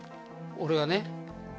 俺はね